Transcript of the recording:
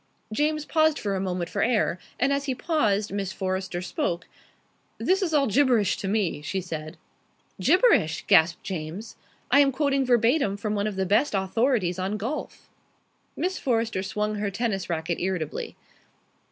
James paused for a moment for air, and as he paused Miss Forrester spoke. "This is all gibberish to me," she said. "Gibberish!" gasped James. "I am quoting verbatim from one of the best authorities on golf." Miss Forrester swung her tennis racket irritably.